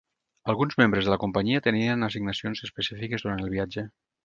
Alguns membres de la companyia tenien assignacions específiques durant el viatge.